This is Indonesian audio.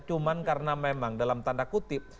cuma karena memang dalam tanda kutip